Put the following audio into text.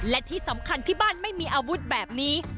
และที่สำคัญที่บ้านไม่มีอาวุธแบบนี้